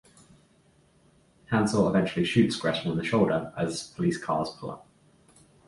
Hansel eventually shoots Gretel in the shoulder as police cars pull up.